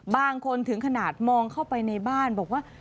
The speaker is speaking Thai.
บางคนถึงขนาดมองเข้าไปในบ้านบอกว่า